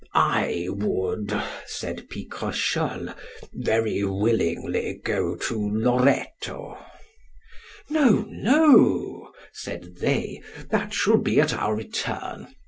I would, said Picrochole, very willingly go to Loretto. No, no, said they, that shall be at our return.